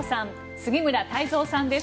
杉村太蔵さんです。